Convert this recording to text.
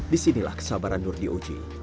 disinilah kesabaran nur di uji